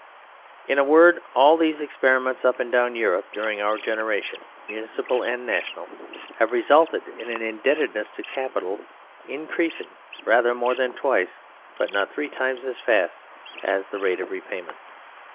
In a word, all these experiments up and down Europeduring our generation, municipal and nation al, have resulted in an indebtedness to capital in " creasing rather more than twice, but not three times, as fast as the rate of repayment.